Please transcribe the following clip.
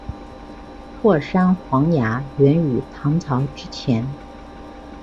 霍山黄芽源于唐朝之前。